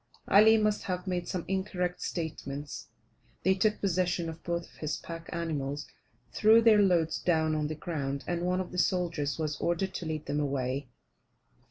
Ali must have made some incorrect statements. They took possession of both of his pack animals, threw their loads down on the ground, and one of the soldiers was ordered to lead them away.